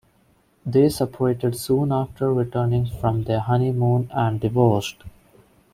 They separated soon after returning from their honeymoon and divorced.